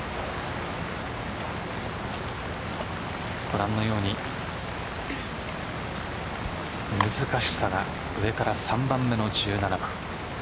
ご覧のように難しさが上から３番目の１７番。